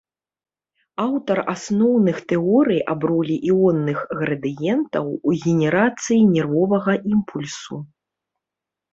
Аўтар асноўных тэорый аб ролі іонных градыентаў у генерацыі нервовага імпульсу.